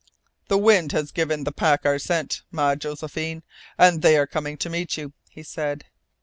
"The wind has given the pack our scent, ma Josephine, and they are coming to meet you," he said.